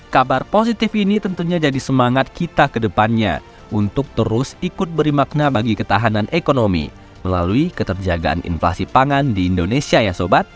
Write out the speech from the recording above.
kabar positif ini tentunya jadi semangat kita ke depannya untuk terus ikut berimakna bagi ketahanan ekonomi melalui keterjagaan inflasi pangan di indonesia yang sobat